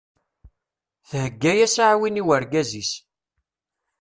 Thegga-yas aɛwin i wergaz-is.